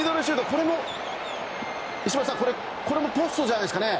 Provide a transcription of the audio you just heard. これも石橋さんポストじゃないですか？